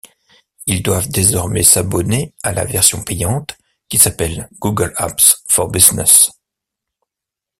Ils doivent désormais s'abonner à la version payante qui s'appelle Google Apps for Business.